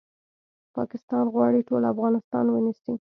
پاکستان غواړي ټول افغانستان ونیسي